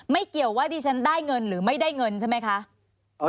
เกี่ยวว่าดิฉันได้เงินหรือไม่ได้เงินใช่ไหมคะ